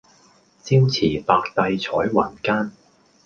朝辭白帝彩雲間